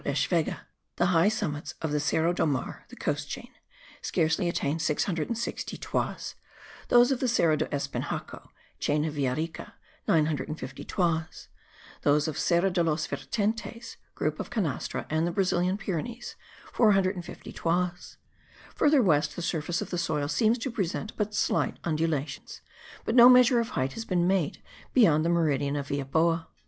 Eschwege, the high summits of the Serra do Mar (the coast chain) scarcely attain 660 toises; those of the Serra do Espinhaco (chain of Villarica), 950 toises; those of Serra de los Vertentes (group of Canastra and the Brazilian Pyrenees), 450 toises. Further west the surface of the soil seems to present but slight undulations; but no measure of height has been made beyond the meridian of Villaboa.